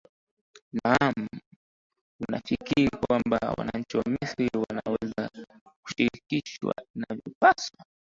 naam unafikiri kwamba wananchi wa misri wataweza kushirikishwa inavyopaswa